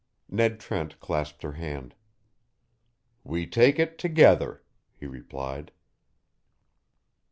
Ned Trent clasped her hand. "We take it together," he replied.